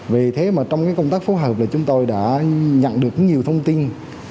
vì thế mà trong công tác phối hợp là chúng tôi đã nhận được nhiều thông tin